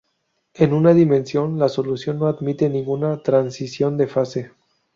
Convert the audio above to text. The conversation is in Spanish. En una dimensión, la solución no admite ninguna transición de fase.